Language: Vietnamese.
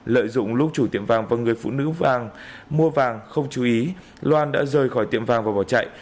lợi dụng lúc chủ tiệm vàng và người phụ nữ vàng mua vàng không chú ý loan đã rời khỏi tiệm vàng và bỏ chạy